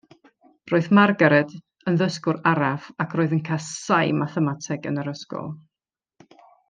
Roedd Margaret yn ddysgwr araf, ac roedd yn casáu mathemateg yn yr ysgol.